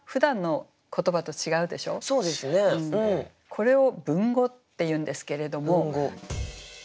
これを文語っていうんですけれども。